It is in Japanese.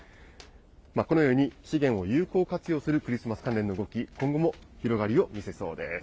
このように資源を有効活用するクリスマス関連の動き、今後も広がりを見せそうです。